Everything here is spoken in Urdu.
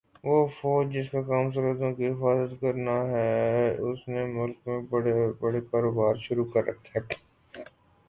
وہ فوج جس کا کام سرحدوں کی حفاظت ہے اس نے ملک میں بڑے بڑے کاروبار شروع کر رکھے ہیں